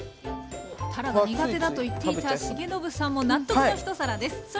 たらが苦手だと言っていた重信さんも納得のひと皿です。